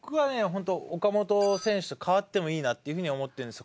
本当岡本選手と代わってもいいなっていう風には思ってるんです。